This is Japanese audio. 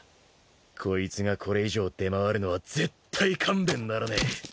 こいつがこれ以上出回るのは絶対勘弁ならねえ。